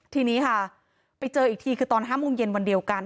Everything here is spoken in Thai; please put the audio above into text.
ทีนี้ค่ะไปเจออีกทีคือตอน๕โมงเย็นวันเดียวกัน